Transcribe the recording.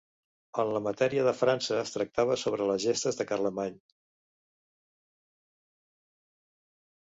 En la Matèria de França es tractava sobre les gestes de Carlemany.